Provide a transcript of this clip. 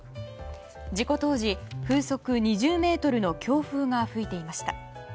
事故当時、風速２０メートルの強風が吹いていました。